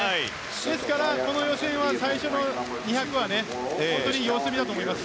ですから、この予選は最初の２００は本当に様子見だと思います。